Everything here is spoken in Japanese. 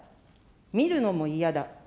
見るのも嫌だ。